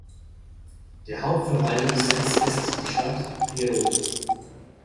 Der Hauptverwaltungssitz ist die Stadt Pirot.